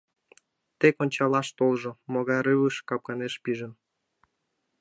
Тек ончалаш толжо, могай рывыж капканеш пижын.